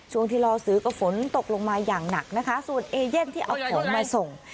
ที่รอซื้อก็ฝนตกลงมาอย่างหนักนะคะส่วนเอเย่นที่เอาของมาส่ง